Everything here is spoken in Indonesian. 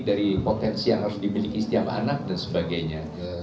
dari potensi yang harus dimiliki setiap anak dan sebagainya